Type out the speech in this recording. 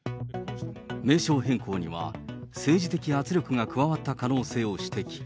名称変更には政治的圧力が加わった可能性を指摘。